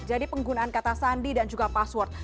jadi penggunaan kata sandi dan juga password